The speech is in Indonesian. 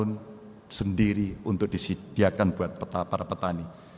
dan kita mesti bisa bangun sendiri untuk disediakan buat para petani